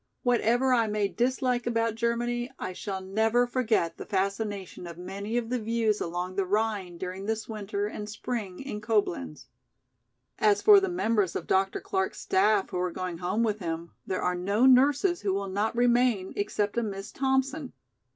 Whatever I may dislike about Germany, I shall never forget the fascination of many of the views along the Rhine during this winter and spring in Coblenz. "As for the members of Dr. Clark's staff who are going home with him, there are no nurses who will not remain except a Miss Thompson.